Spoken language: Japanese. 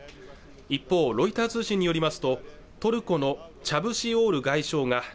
一方ロイター通信によりますとトルコのチャブシオール外相が